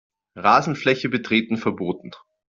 Rasenfläche betreten verboten.